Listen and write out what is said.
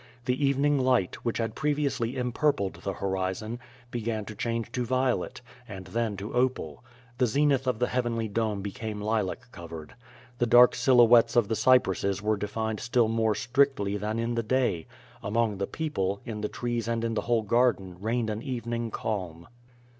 The evening light, which had previously em purpled the horizon, began to change to violet, and then to opal; the zenith of the heavenly dome became lilac colored. The dark silhouettes of the cypresses were defined still more strictly than in the day — ^among the people, in the trees and in the whole garden reigned an evening calm.